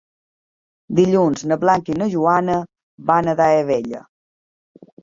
Dilluns na Blanca i na Joana van a Daia Vella.